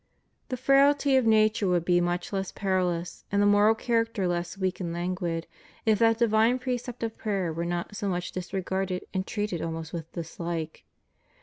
^ The frailty of nature would be much less peril ous, and the moral character less weak and languid, if that divine precept of prayer were not so much disre garded and treated almost with dishke.